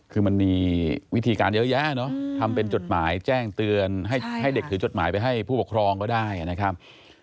คือมันมีวิธีการเยอะแยะเนอะทำเป็นจดหมายแจ้งเตือนให้เด็กถือจดหมายไปให้ผู้ปกครองก็ได้นะครับ